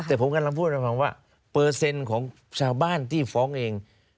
แต่ผมกำลังพูดให้ฟังว่าเปอร์เซ็นต์ของชาวบ้านที่ฟ้องเอง